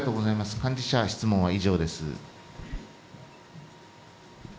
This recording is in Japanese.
幹事社質問は以上です。